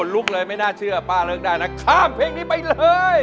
ลุกเลยไม่น่าเชื่อป้าเลิกได้นะข้ามเพลงนี้ไปเลย